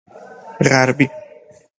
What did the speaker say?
غربی